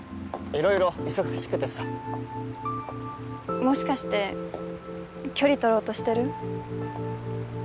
色々忙しくてさもしかして距離とろうとしてる？